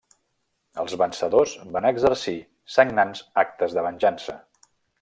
Els vencedors van exercir sagnants actes de venjança.